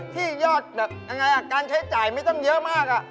ที่ยอดการใช้จ่ายไม่ต้องเยอะมาก